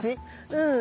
うん。